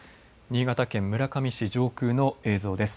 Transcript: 新潟県村上市上空の映像です。